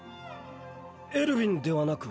エルヴィンではなく？